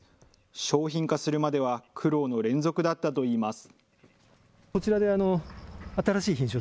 商品化するまでは苦労の連続だったといいます。